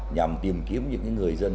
nhằm tìm kiếm những người dân